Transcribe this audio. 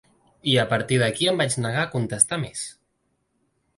I a partir d’aquí em vaig negar a contestar més.